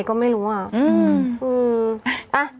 ก็ไม่รู้อะ